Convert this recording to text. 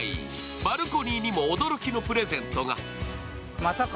バルコニーにも驚きのプレゼントが。